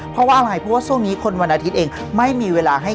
เพราะว่าอะไรเพราะว่าช่วงนี้คนวันอาทิตย์เองไม่มีเวลาให้